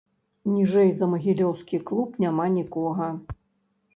Ніжэй за магілёўскі клуб няма нікога.